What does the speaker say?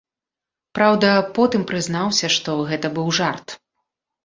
Праўда, потым прызнаўся, што гэта быў жарт.